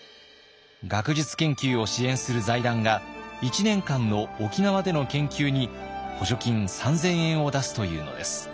学術研究を支援する財団が１年間の沖縄での研究に補助金３，０００円を出すというのです。